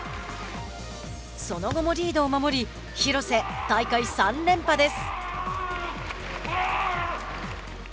その後もリードを守り廣瀬、大会３連覇です。